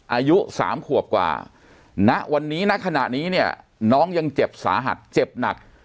อายุ๓ขวบกว่าณวันนี้ณขณะนี้เนี่ยน้องยังเจ็บสาหัสเจ็บหนัก